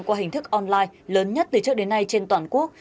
qua hình thức online lớn nhất từ trước đến nay trên toàn quốc